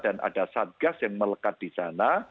dan ada satgas yang melekat di sana